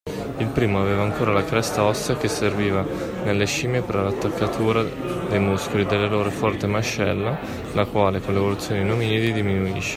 Il primo aveva ancora la cresta ossea che serviva nelle scimmie per l'attaccatura dei muscoli della loro forte mascella la quale, con l'evoluzione in ominidi, diminuisce.